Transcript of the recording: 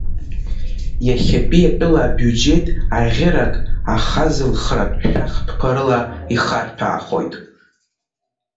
Иахьатәи атәыла абиуџьет аӷьырак аҳазылхратә шәатәқәа рыла ихарҭәаахоит.